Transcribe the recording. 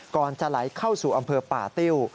ก่อนจะไหลเข้าสู่อำเภอป่าติ้ว